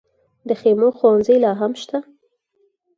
د خیمو ښوونځي لا هم شته؟